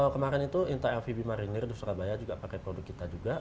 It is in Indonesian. kemarin itu inta lvb marinir di surabaya juga pakai produk kita juga